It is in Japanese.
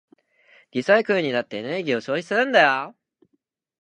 リサイクルにだってエネルギーを消費するんだよ。